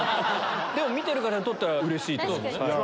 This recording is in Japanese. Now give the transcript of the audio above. でも見てる方にとってはうれしいと思います。